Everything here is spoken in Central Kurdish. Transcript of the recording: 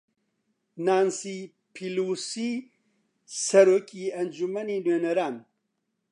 نانسی پیلۆسی سەرۆکی ئەنجومەنی نوێنەران